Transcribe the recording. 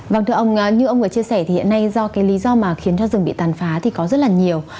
vâng thưa ông như ông vừa chia sẻ thì hiện nay do cái lý do mà khiến cho rừng bị tàn phá thì có rất là nhiều